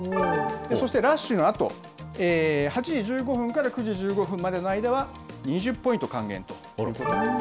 そしてラッシュのあと、８時１５分から９時１５分までの間は、２０ポイント還元ということなんです。